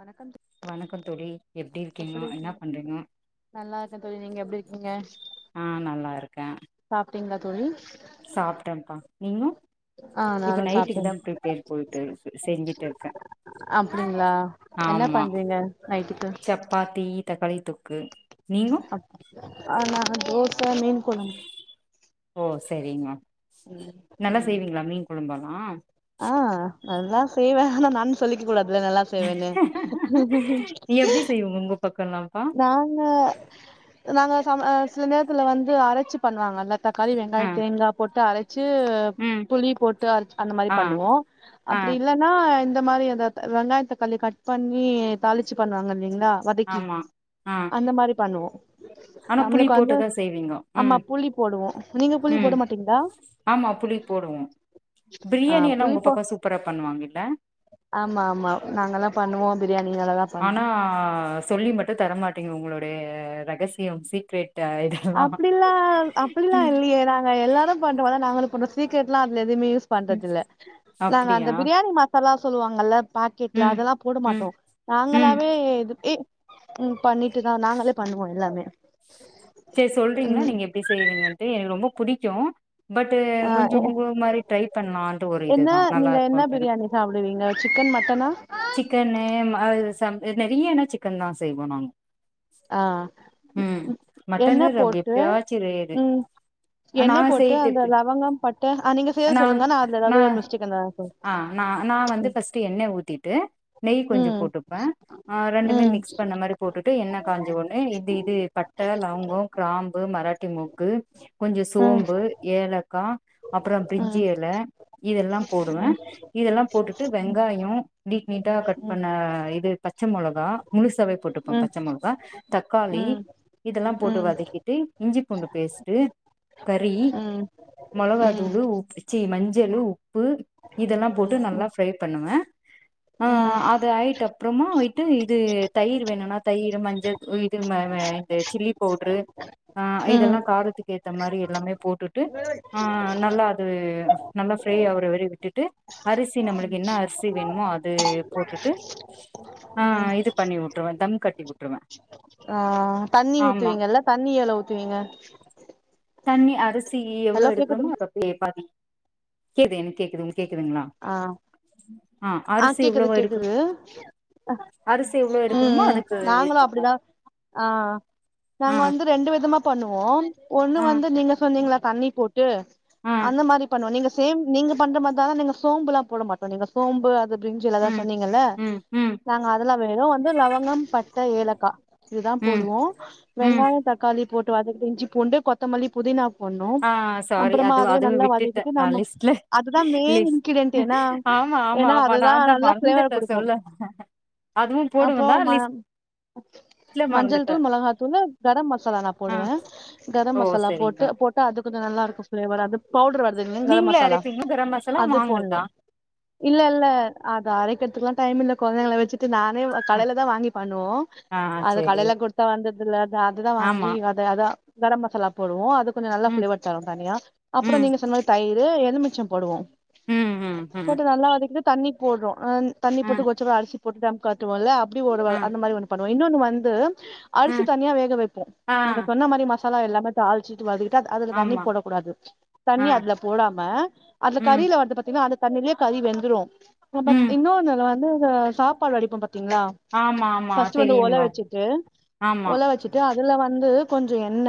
வணக்கம் தோ வணக்கம் தோழி எப்டி இருக்கீங்கோ என்னா இருக்கீங்க பண்றீங்கோ நல்லா இருக்கே தோழி நீங்க எப்டி இருக்கீங்க நா நல்லா இருக்கே சாப்ட்டீங்ளா தோழி சாப்டப்பா நீங்க ஆ இப்ப நானு நைட்டுக்கு சாப்ட்டே தா ப்ரிப்பேர் போயிட்ர்க்கு செஞ்சுட்டுர்க்கே அப்டிங்ளா என்ன பண்றீங்க நைட்டுக்கு சப்பாத்தி தக்காளி தொக்கு நீங்க ஆ நா தோச மீன் கொழும்பு ஓ செரிங்க நல்லா செய்வீங்களா மீன் கொழம்பெல்லா ஆ நல்லா செய்வே ஆனா நானே சொல்லிக்க கூடாதுல நல்லாசெ தேவல்ல செரி உங்க பக்கல்லாப்பா நாங்க நாங்க சம சில நேரத்துல வந்து அரைச்சு பண்ணுவாங்க அதுமாரி தக்காளி வெங்காயோ ஆ தேங்கா போட்டு அரைச்சு ம் புளி போட்டு அரச் அந்த மாரி ஆ பண்ணுவோ ஆ அப்டி இல்லன் னா இந்த மாரி இந்த த வெங்காயத்தக்காளி கட் பண்ணி தாளிச்சு பண்ணுவாங்க இல்லிங்களா ஆமா ஆ இந்த மாரி பண்ணுவோ ஆனா புளி நம்மளுக்கு வந்து போட்டுதா செய்வீங்கோ ஆமா ம் புளி போடுவோ நீங்க புளி ம் போட மாட்டீங்ளா ஆமா புளி போடுவோம் ஆ பிரியாணியெல்லா புளி உங்க போ பக்கோ சூப்பரா பண்ணுவாங்கில்ல ஆமா ஆமா நாங்கெல்லா பண்ணுவோ பிரியாணி நல்லாதா பண் ஆனா சொல்லி மட்டு தரமாட்டீங்க உங்களுடைய ரகசியம் சீக்ரெட் இது அப்டில்லா அப்டிலா இல்லியே நாங்க எல்லாரு பண்றதா நாங்களூ பன்றோ சீக்ரட்லா அதுல எதுவுமே யூஸ் பண்றதுல நாங்க அப்டியா அந்த பிரியாணி மசாலா சொல்லுவாங்கல்ல பாக்கெட்ல ம் அதெல்லா போட ம் மாட்டோ ம் நாங்களாவே இது ஏ பண்ணிட்டுதா நாங்களே பண்ணுவோ எல்லாமே [inaudible] சேரி சொல்றீங்களா ம் நீங்க எப்டி செய்ரீங்கன்ட்டு எனக்கு ரொம்ப புடிக்கு பட்டு ஆ கொஞ்ச எ ஒங்கள மாரி ட்ரை பன்லான்ட்டு ஒரு என்ன இதுதா நீங்க என்ன நல்லார்க்குன் பிரியாணி சாப்புடுவீங்க சிக்கன் மட்டனா சிக்கனு ம அது சம் நெறைய அனா சிக்கன்தா செய்வோ நாங் அ ம் ம் மட்டனு எண்ண போட்டு எப்பயாச்சு ரேரு ம் நா எண்ண போட்டு அந்த செய்றது லவங்கம் பட்ட அ நீங்க செய்த சொல்லுங்க நா அதுல எதாது மிஸ்டேக்ந்தா சொல் அ நா நா வந்து ஃபஸ்ட்டு எண்ணை ஊத்திட்டு நெய் கொஞ்சம் ம் போட்டுப்பன் அ ரெண்டுமே ம் மிக்ஸ் பண்ண மாரி போட்டுட்டு எண்ண காஞ்சோன்னே இது இது பட்ட லவங்கம் கிராம்பு மராட்டி மொக்கு கொஞ்ச ம் சோம்பு ஏலக்கா அப்பற ப்ரிஞ்சி ம் எல இதெல்லாம் போடுவேன் இதெல்லாம் போட்டுட்டு வெங்காயம் நீட் நீட்டா கட் ம் பண்ண இது பச்ச மொளகா முழுசாவே போட்டுப்பம் ம் பச்ச மொளவா தக்காளி ம் இதல்லா போட்டு ம் வதக்கிட்டு இஞ்சி பூண்டு பேஸ்ட்டு கறி ம் மொளகா ம் தூளு உப் ச்சீ மஞ்சளு உப்பு இதல்லாம் போட்டு நல்லா ஃப்ரை பண்ணுவன் அ ம் அது ஆயிட்டப் ப்றமா ஒயிட்டு இது தயிர் வேணுன்னா தயிரு மஞ்சள் இது [unintelligible] சில்லி பவுட்ரு அ ம் இதல்லா காரத்துக்கு ஏத்த மாரி எல்லாமே போட்டுட்டு ஆ நல்லா அது நல்லா ஃப்ரை ஆவுற வரை விட்டுட்டு அரிசி நம்மளுக்கு என்னா அரிசி வேணுமோ அ து போட்டுட்டு அ ம் இது பண்ணி உட்ருவ தம் கட்டி உட்ருவ அ தண்ணி ஊத்துவீங்கல்ல தண்ணி எவ்ள ஊத்துவீங்க தண்ணி அரிசி எவ்ளோ ஹலோ எடுக்றமோ கேக்குதுங் அதுப்பே பாதி கேது எனக்கு கேக்குது ஒங்களுக் கேக்குதுங்ளா ஆ ஆ கேக்குது எவ்ளோவா எடுக்கறோ கேக்குது ம் அரிசி எவ்ளோ எடுக்கிறோமோ ம் அதுக்கு நாங்களு ஏத்த மாரி அப்பிடிதா அ ஆ நாங்க வந்து ரெண்டு விதமா பண்ணுவோம் ஒண்ணு ஆ வந்து நீங்க சொன்னீங்கள கண்ணி போட்டு ஆ அந்த மாரி பண்ணுவோ நீங் சேம் நீங்க பண்ற மார்தா ஆனா நீங்க சோம்புலா போட மாட்டோ நீங்க சோம்பு அது பிரிஞ்சு எலதா ம் சொன்னீங்கல்ல ம் ம் நாங்க அதெல்லா வேணு வந்து லவங்கம் பட்ட ஏலக்கா இதுதா ம் போடுவோ ம் வெங்காய தக்காளி போட்டு வதக்கிட்டு இஞ்சி பூண்டு கொத்தமல்லி புதினா போணும் ஆ சாரி அப்பறமா அது அதுவே அதுவு நல்லா விட்டுட்டே வதக்கிட்டு நா நம்ம லிஸ்ட்ல அதுதான் மெயின் லிஸ் இன்கிரீடியன்ட்டே ஏன்னா ஆமா ஆமா ஏன்னா ஆமா அதுதா நாந்தா நல்லா ஃபிளேவர் மறந்துட்ட குடுக்கு சொல்ல அதுவும் அப்போ போடுவந்தா ம லிஸ் மஞ்சள் தூள் மொளகாத்தூளு கரம் மசாலா நா ஆ போடுவே கரம் ஓ மசாலா செரிங்க்கா போட்டு போட் அது கொஞ்சோ நல்லா இருக்கு ஃப்ளேவர் அது பவுடர் வருதுங்கங்க கரம் நீங்களே மசாலா அரைப்பீங்களா கரம் மசாலா அது வாங்கறதா போன்ணும் இல்லல்ல அத அரைக்கரத்துக்கெல்லா டைமில்ல கொழந்தைங்கள வச்சிட்டு நானே வ கடைலதா வாங்கி பண்ணுவோ ஆ அத செரி கடைல குடுத்தா வாந்ததில்ல தா அததா ஆமா வாங்கி வ த அதா கரம் மசாலா போடுவோ அது கொஞ்ச நல்லா ம் ஃப்ளேவர் தரு தனியா அப்பற ம் நீங்க சொன்னமார் தயிரு எலுமிச்சம் போடுவோ ம் ம் ம் போட்டு நல்லா வதக் தண்ணி போட்றோ அந்தண்ணி போட்டு ம் கொதிச்சப அரிசி போட்டு தம் கட்டுவோல்ல அப்டி ஒரு வக ம் அந்த மாரி ஒன்னு பண் இன்னொன்னு வந்து அரிசி ம் தனியா வேக வைப்போம் ஆ நீங்க சொன்ன மாரி மசாலா எல்லாமே தாள்ச்சிட்டு வதக்கிட்டு அத் அதுல தண்ணி ஆமா போடக் கூடாது ஆ தண்ணி அதுல போடாம அதுல ம் கறில வருது பாத்தீங்களா அந்த தண்ணிலே கறி வெந்துரு நமக் ம் இன்னோன்னு நல வந்து சாப்பாடு வடிப்பம் பத்தீங்களா ஆமா ஆமா ஃபஸ்ட்டு வந்து ஒல தெரியுங்க வச்சிட்டு ஆமா ஒல வச்சிட் ட்டு அதுல வந்து கொஞ்சோ எண்ண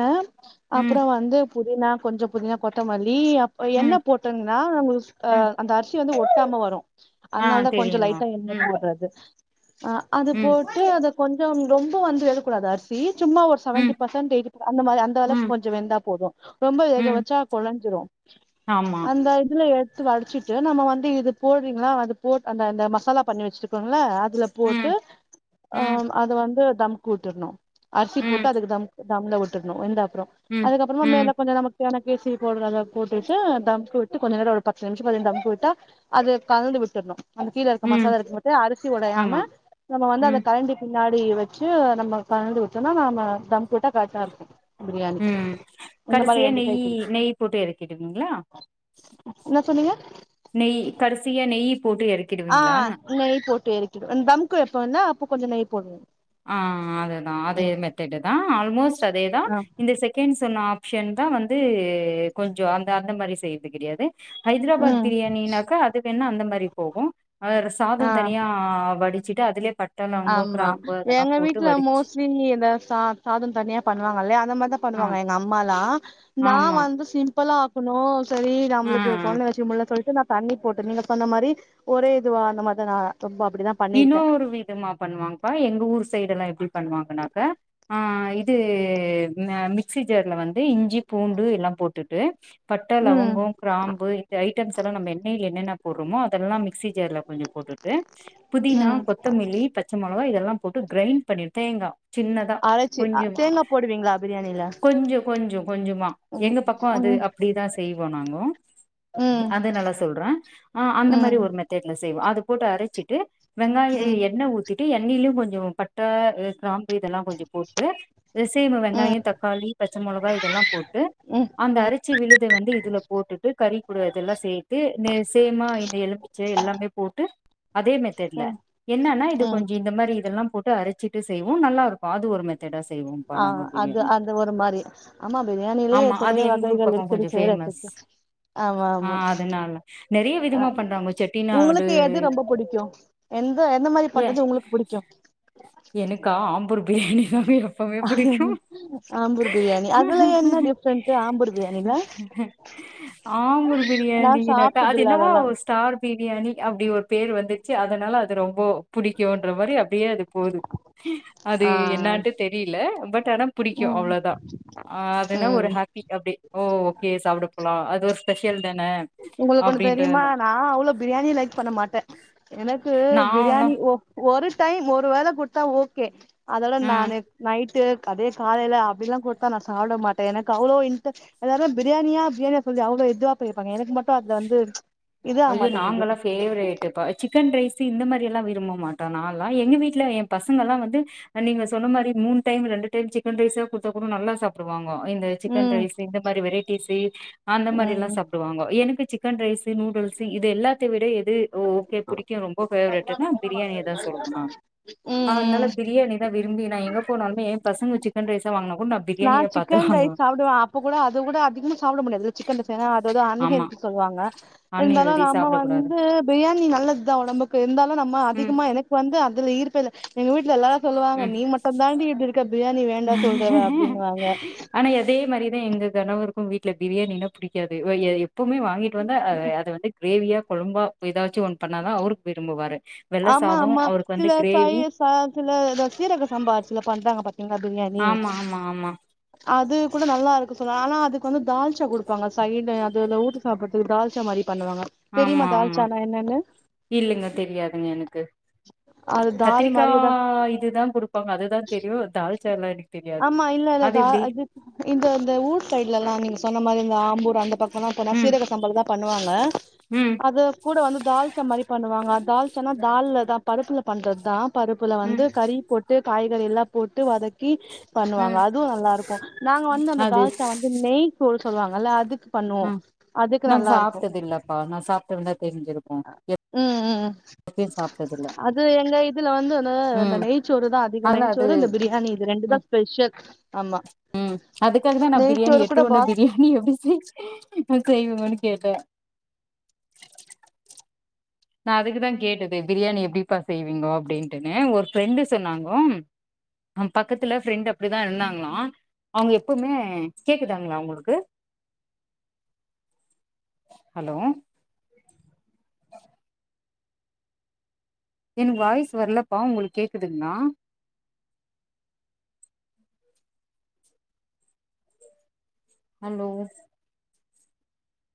ம் அப்பறோ வந்து புதினா கொஞ்சோ புதினா கொத்தமல்லி அப் எண்ண ம் போட் ட்டுந்தா நமக்ஸ் அ ம் அந்த அரிசி வந்து ஒட்டாம வரு ஆ அதனால் தா கொஞ்ச தெரியுமா லைட்டா எண்ண ம் போட்றது அ அது போ ம் ட்டு அத கொஞ்சம் ரொம்ப வந்து வேகக்கூடாது அர் இ சும்மா ஒரு செவன்டி ம் பர்சன்ட் எயிட்டி அந்த மார் அந்த அளவுக் ம் கொஞ்சோ வெந்தா போது ரொம்ப வேக ம் வச்சா கொழஞ்சிரு ஆமா அந்த இதுல எடுத்து வடிச்சிட்டு நம்ம வந்து இது போ டீங்களா அது போ அந்தந்த மசாலா பண்ணி வச்சிட்ருக்கோள அதுல போட்டு ம் ஆ ம் அது வந்து தம் பொட்டுணு அரிசி போட்டு ம் அதுக்கு தம் தம்ல விட்டுணும் வெந்த அப்றோ ம் அதுக்கப்றோமா ம் மேல கொஞ்சோ நமக் எனக்கு சீ பவுடர் அத போட்டுட்டு தம்க்கு விட்டு கொஞ்சோ நேரோ ஒரு பத்து நிமிஷோ பதினஞ்நிமி தம்க்கு விட்டா அது கலந்து விட்டுணு அது கீழ இருக்க ம் மசாலா இருக்கு அரிசி ஒடயாம ஆமா நம்ம வந்து அத ம் கரண்டி பின்னாடி வச்சு நம்ம கலந்து விட்டோனா நாம தம் போட்ட கரட்டா இருக்கு பிரியாணி ம் இந்த மாரி கடைசியா ரெண்டு நெய் டைப் இருக் நெய் போட்டு எறக்கிடுவீங்களா என்ன சொன்னீங்க நெய் கடசியா நெய் போட்டு இற ஆ நெய் போட்டு எரக்கினு தம்க்கு எப்போனா அப்போ கொஞ்சோ நெய் போடுவ ஆ அதுதான் அதே மெத்தடு தா ஆல்மோஸ்ட் அதேதா ஆ இந்த செக் கேன் சொன்ன ஆப்ஷன் தா வந்து கொஞ்சோ அந்த அந்த மாரி செய்றது கெடையாது ஹைதராபாத் ம் பிரியாணினாக்கா அதுவேன்னா அந்த மாரி போகு அதுல சாதோ தனியா ஆ வடிச்சிட்டு அதுலயே பட்ட லவங்கோ ஆமா க்ராம் எங்க வீட்ல மோஸ்லி நீ‌ இந்த சா சாதோ தனியா பண்ணுவாங்கல்ல அத மார்தா ஆ பண்ணுவாங்க எங்க அம்மாலா நா ஆமா வந்து சிம்பளா னோ சரி ஆ நம்ளுக்கு ஆ பொண்ண வச்சு முல்லனு சொல்ட்டு நா தண்ணி போட்டு நீங்க சொன்ன மாரி ஒரே இதுவா அந்த மார்தா அ ரொம்ப அப்டிதா பண்ணிருக்கே இன்னுரு விதமா பண்ணுவாங்ப்பா எங்க ஊர் சைடுல்லா எப்டி பண்ணுவாங்னாக்க ஆ இது அ மிக்சி ஜார்ல வந்து இஞ்சி பூண்டு எல்லா போட்டுட்டு பட்ட ம் லவங்கோ க்ராம்பு இந்த ஐட்டம்ஸ்லா நம்ம எண்ணேல என்னன்ன போட்றோமோ அதெல்லா மிக்சி ஜார்ல கொஞ்சோ போட்டுட்டு புதினா ம் கொத்த மல்லி பச் ச மொளகா இதெல்லா போட்டு க்ரைன் பண்ணி தேங்கா சின்னதா அரைச்சி அ கொஞ்சமா தேங்கா போடுவீங்களா பிரியாணில கொஞ்சோ கொஞ்சோ கொஞ்சமா ம் எங்க பக்கோ அது ம் அப்டிதா செய்வோ நாங்கோ ம் அது நல்லா சொல்ற ஆ அந்த மாரி ம் ஒரு மெத் தேட்ல செய்வ அது போட்டு அரச்சிட்டு வெங்காயோ ம் எண்ண ஊ திட்டு எண்ணெலியு கொஞ்சோ பட்ட க்ராம் பு இதெல்லா கொஞ்சோ போட்டு [unintelligible] ம் வெங்காயோ தக்காளி பச்ச மொளகா இதெல்லா போட்டு ம் அந்த அரச்சி விழுத வந்து இதுல போட்டுட்டு கறி கூட இதெல்லா சேத்து நே சேமா இந்த எலும் ச்ச எல்லாமே போட்டு அதே மெத்தட்ல ம் என்னனா இது ம் கொஞ்ச இந்த மாரி இதெல்லா போட்டு அரைச்சிட்டு செய்வோ நல்லா இருக்கு அது ஒரு மெ ஆ அது அந்த ஒரு மாரி ஆமா பிரியாணிலயே ஆமா அது எத்தனயோ எங்க ஊர் வகைகள் பக்கோ இருக்குது கொஞ்சோ செய்யறக் ஃபேமஸ் ஆமா ஆ ஆமா அதனால நெறைய அ விதமா பண்றாங்க செட்டிநாடு உங்களுக்கு எது ரொம்ப புடிக்கு எந்த எந்த மாரி பண்றது உங்களுக்கு புடிக்கு க்கா ஆம்பூர் பிரியாணி மாரியா ஆம்பூர் பிரியாணி அதுல என்ன டிஃப்ரெண்ட்டு ஆம்பூர் பிரியாணில ஆம்பூர் நா பிரியாணி [unintelligible] அது சாப்ட்டதில்ல என்னவோ அதெல்லா ஸ்டார் பிரியாணி அப்டி ஒரு பேர் வந்துச்சு அதனால அது ரொம்ப புடிக்குன்ற மாரி அப்டியே அது ஒரு அது ஆ என்னாட்டு தெரில பட் அனா புடிக்கு ம் அவ்ளோதா ஆ அதுனா ஒரு ம் ஹாப்பி அப்டி ஓ ஓகே சாப்ட போலா அது ஒரு ஸ்பெஷல் தான உங்ளுக்கு ஒன்னு தெரிமா அப்டின்றதுனு நா அவ்ளோ பிரியாணி லைக் பண்ண மாட்டே எனக்கு நான்லா பிரியாணி ஓ ஒரு டைம் ஒரு வேள குடுத்தா ஓகே அதலா நா ஆ நைட்டு அதே காலைல அப்டிலா குடுத்தா நா சாப்ட மாட்டே எனக்கு அவ்ளோ இன்ட எல்லாரு பிரியாணியா பிரியாணியா சொல்லி அவ்ளோ இதுவா இருப்பாங்க எனக்கு மட்டு அதுல வந்து இது ஆக ஐய்யோ மாட்டேங்குது நாங்கலா ஃப்வேரேட்டு ப சிக்கன் ரைஸூ இந்த மாதிரில்லாம் விரும்ப மாட்டோ நான்ல்லா எங்க வீட்ல என் பசங்க எல்லா வந்து அன்னிக்கு நா சொன்ன மாரி மூண் டைம் ரெண்டு டைம் ஜிக்கன் ரைஸா குடுத்தா கொட நல்லா சாப்டுவாங்க இந்த சிக்கன் ம் ரைஸ் இந்த மாரி வெரைட்டீஸ்சு அந்தமாரி ம் எல்லா சாப்பிடுவாங்க எனக்கு சிக்கன் ரைஸ்சு நூடுல் சி இது எல்லாத்த விட எது ஓ ஓகே புடிக்கூ ரொம்ப ஃபேவரட்டுனா பிரியாணியதா சொல்லுனுமா அன்னால பிரியாணி தெ விரும்பி நா எங்க போனாலுேமே எ பசங்க சிக்கன் ரைஸா வாங்னா கூட் நா நா பிரியாணிய பாத்து சிக்கன் வாங்குவ ரைஸ் சாப்புடுவே அப்ப கூட அது கூட அதிகமா சாப்பிட முடியாது சிக்கன்ல்ல செய்றதுனால ‌அதுதா ஆமா அன்னிக்கோ சொல்லுவாங்க இருந்தாலூ அன்ஹெல்தி நம்ம சாப்டக் கூடாது வந்து பிரியாணி நல்லது தா ஒடம்புக்கு இருந்தாலூ நம்ம ம் அதிகமா எனக்கு வந்து அதுலஈர்த்ததூ எங்க வீட்ல எல்லா சொல்வாங்க நீ மட்டுந்தான்டி இப்டி இருக்க பிரியாணி வேண்டா சொல்றவ ம் அப்டின்னுவாங்க ஆனா அதே மாரிதா எங்க கணவருக்கூ வீட்ல பிரியாணின்னா புடிக்காது எப்பவுமே வாங்கிட்டு வந்தா அதது வந்து கிரேவியா கொழும்பா ஏதாச்சு ஒண்ணு பண்ணாதா அவருக் விரும்புவாரு வெள்ள ஆமா சாதோ ஆமா அவருக்கு வந்து சில கிரேவி சய்ய ச சில த சீரக சம்பா அரிசில பண்றாங்க பாத் எங்களூக்னே நீ ஆமா ஆமா ஆமா அது கூட நல்லாருக்கு சொல்ல ஆனா அதுக்கு வந்து தால்சா குடுப்பாங்க சைடு அதுவ்ல ஊருத் சாப்பட்றதுக்கு தாழ்ச்சா மாரி பண்ணுவாங்க தெரியுமா ஆமா ஆமா தால்ச்சானா என்னன்னு இல்லிங்க தெரியாதுங்க எனுக்கு ஆ கத்திரிக்கா இதுதா கொடுப்பாங்க அதுதா தெரியூ தால்ச்சா எனக்கு தெரியாது ஆமா இல்ல இல்ல அது தா எப்டி இப்ப இந்த ஊர் சைட் லெல்லா நீங்க சொன்ன மாரி தா ஆம்பூர் அந்த பக்கொல்லா போனா ம் சீரக சம்பால் தா பண்ணுவாங்க ம் அது கூட வந்து தால் சமிரி பண்ணுவாங்க தால் சொன்னா தால்ல தா பருப்புல பண்றது தா பருப்புல வந்து ம் கறி போட் ட்டு காய்கறி எல்லா போட்டு வதக்கி பண்ணுவாங்க ம் அதுவூ நல்லா இருக்கூ நாங்க வந்து அந்த அது தால்ச்சா வந்து கு நெய் பூ சொல்லுவாங்கல்ல அதுக்கு பண்ணோ அதுக்கு நல்லாருக்கும் ஆனா சாப்பட்டுருந்தா தெரிஞ்சிருக் ம் ம் சாப்ட்டதில்ல அது எங்க இதுல வந்து அந்த அந்த ம் நெய்சோறு தா அதிகே அதனால நெய்சோறு அது இந்த பிரியாணி இது ரெண்டு தா ஸ்பெஷல் ஆமா ம் அதுக்காக தா நா பிரியாணி நெய்ச்சோறு எடுத்து கூட உட்னே பாஸ் பிரியாணி எப்படி செய் செய்வங்கன்னு கேட்டே நா அதுக்குதா கேட்டது பிரியாணி எப்படிப்பா செய்வீங்கோ அப்பிடின்ட்டுன்னு ஒரு ஃப்ரெண்டு சொன்னாங்கோ அவெ பக்கத்துல ஃப்ரெண்ட் அப்படிதா இருந்தாங்களா நாங்க எப்பவுமே கேக்குதாங்களா உங்களுக்கு அ ஹலோ எனக்கு வாய்ஸ் வரலப்பா உங்களுக் கேக்குதுங்களா ஹலோ